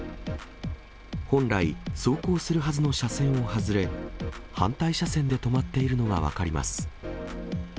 本来、走行するはずの車線を外れ、反対車線で止まっているのが分かります。